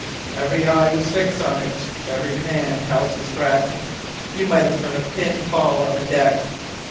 Every eye was fixed on it every man held his breath. You might have heard a pin fall on the deck.